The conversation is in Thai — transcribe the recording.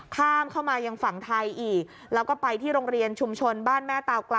ข้ามเข้ามายังฝั่งไทยอีก